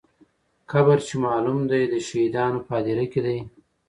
قبر چې معلوم دی، د شهیدانو په هدیره کې دی.